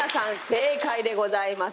正解でございます。